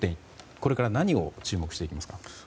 これから何に注目していきますか？